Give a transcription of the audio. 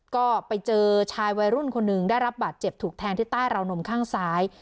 ก็ไปเจอชายวัยรุ่นคนหนึ่งได้รับบาดเจ็บถูกแทงที่ใต้ราวนมข้างซ้าย